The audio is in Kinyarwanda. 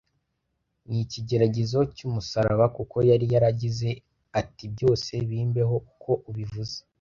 n'ikigeragezo cy'umusaraba kuko yari yaragize ati byose bimbeho uko ubivuze